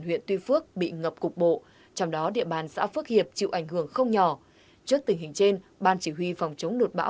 huyện tuy phước là một trong những địa bàn thuộc vùng dân